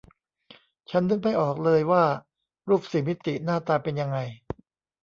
ฉันนึกไม่ออกเลยว่ารูปสี่มิติหน้าตาเป็นยังไง